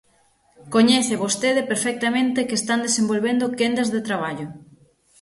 Coñece vostede perfectamente que están desenvolvendo quendas de traballo.